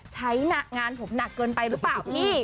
ใช้งานผมหนักเกินไปหรือเปล่าพี่